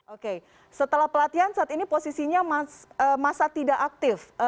oke setelah pelatihan saat ini posisinya masa tidak aktif